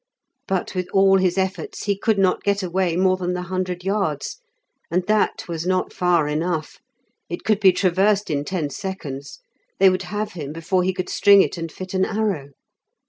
But with all his efforts he could not get away more than the hundred yards, and that was not far enough. It could be traversed in ten seconds, they would have him before he could string it and fit an arrow.